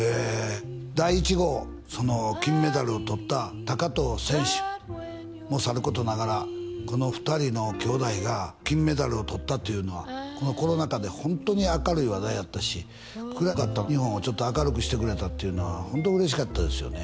第１号その金メダルをとった藤選手もさることながらこの２人の兄妹が金メダルをとったっていうのはこのコロナ禍でホントに明るい話題やったし暗かった日本をちょっと明るくしてくれたっていうのはホント嬉しかったですよね